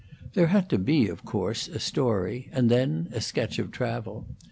There had to be, of course, a story, and then a sketch of travel.